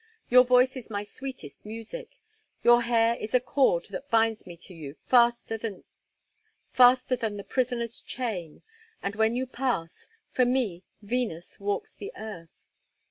Your voice is my sweetest music, your hair is a cord that binds me to you faster than the prisoner's chain, and, when you pass, for me Venus walks the earth.